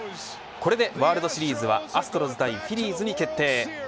これでワールドシリーズはアストロス対フィリーズに決定。